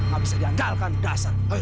gak bisa diandalkan dasar